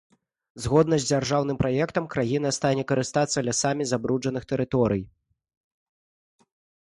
Згодна з дзяржаўным праектам, краіна стане карыстацца лясамі забруджаных тэрыторый.